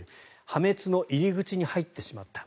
破滅の入り口に入ってしまった。